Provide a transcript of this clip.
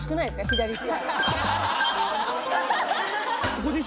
左下。